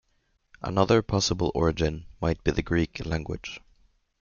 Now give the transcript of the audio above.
Another possible origin might be the Greek language.